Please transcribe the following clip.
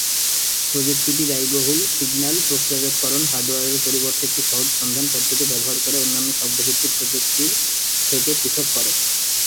প্রযুক্তিটি ব্যয়বহুল সিগন্যাল-প্রক্রিয়াজাতকরণ হার্ডওয়্যারের পরিবর্তে একটি সহজ সন্ধান পদ্ধতি ব্যবহার করে অন্যান্য শব্দ ভিত্তিক প্রযুক্তির থেকে পৃথক করে।